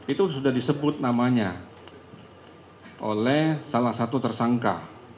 itu sudah disebut namanya oleh salah satu tersangka